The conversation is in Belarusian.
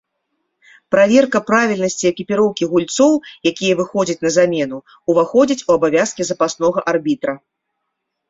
Праверка правільнасці экіпіроўкі гульцоў, якія выходзяць на замену, уваходзіць у абавязкі запаснога арбітра.